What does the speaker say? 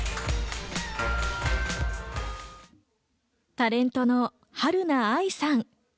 タレントのはるな愛さん。